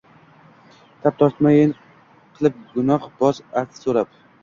Tap tortmayin qilib gunoh, boz afv soʼrab.